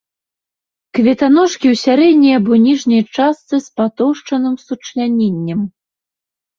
Кветаножкі ў сярэдняй або ніжняй частцы з патоўшчаным сучляненнем.